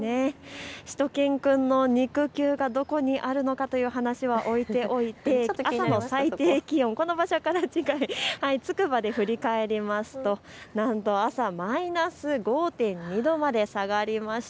しゅと犬くんの肉球がどこにあるのかという話は置いておいて朝の最低気温、この場所から近いつくばで振り返りますとなんと朝マイナス５．２度まで下がりました。